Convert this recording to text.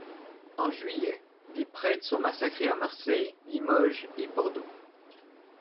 En juillet, des prêtres sont massacrés à Marseille, Limoges et Bordeaux.